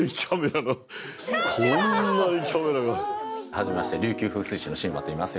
初めまして琉球風水志のシウマといいます。